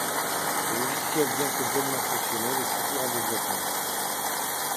Le logiciel bien que pleinement fonctionnel, est toujours en développement.